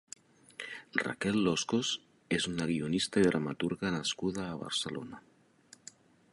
Raquel Loscos és una guionista i dramaturga nascuda a Barcelona.